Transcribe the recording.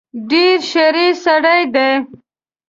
ډېر شریر سړی دی.